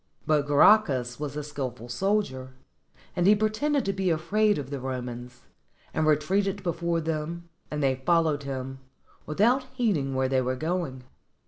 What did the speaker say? But Gracchus was a skillful soldier, and he pretended to be afraid of the Romans, and retreated before them, and they followed him, without heeding where they were going.